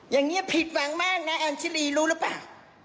อย่างนี้ผิดหวังมากนะแอมชิลีรู้หรือเปล่า